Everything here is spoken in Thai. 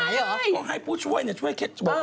ก็ให้ผู้ช่วยช่วยเคล็ด